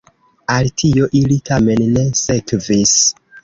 Al tio ili tamen ne sekvis.